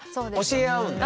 教え合うんだ。